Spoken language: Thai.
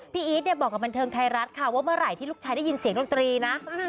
อีทเนี่ยบอกกับบันเทิงไทยรัฐค่ะว่าเมื่อไหร่ที่ลูกชายได้ยินเสียงดนตรีนะ